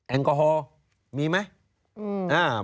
แอลกอฮอล์มีไหม